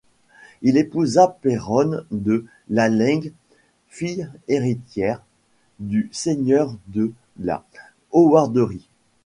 Il épousa Péronne de Lalaing, fille héritière du seigneur de la Howarderie.